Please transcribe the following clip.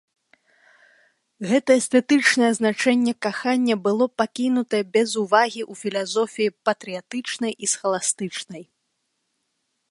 Гэта эстэтычнае значэнне кахання было пакінута без увагі ў філасофіі патрыятычнай і схаластычнай.